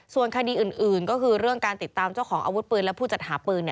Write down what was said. ส่วนคดีอื่นก็คือเรื่องการติดตามเจ้าของอาวุธปืนและผู้จัดหาปืน